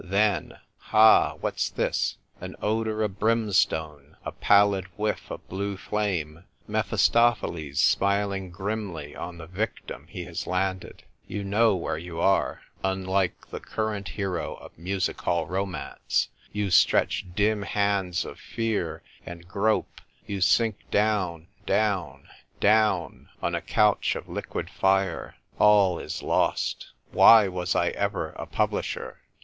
Then .... ha ! what's this ? An odour of brimstone — a pallid whiff of blue flame — Mephistopheles smiling grimly on the victim he has landed — you know where you are — unlike the current hero of music hall romance — you stretch dim hands of fear and grope — j^ou sink down, down, down, on a couch of liquid fire. 'All is lost ! Why was I ever a publisher